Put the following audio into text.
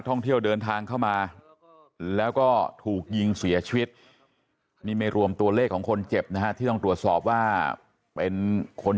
ท่องเที่ยวเดินทางเข้ามาแล้วก็ถูกยิงเสียชีวิตนี่ไม่รวมตัวเลขของคนเจ็บนะฮะที่ต้องตรวจสอบว่าเป็นคน